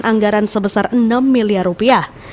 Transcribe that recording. anggaran sebesar enam miliar rupiah